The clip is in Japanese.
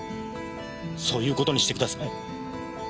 そういう事にしてください。